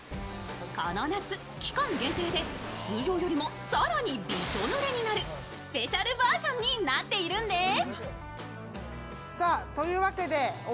この夏、期間限定で通常よりもびしょ濡れになるスペシャルバージョンになっているんです。